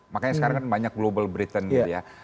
makanya sekarang kan banyak global briten gitu ya